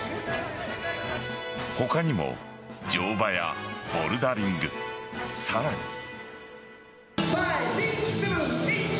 他にも、乗馬やボルダリングさらに。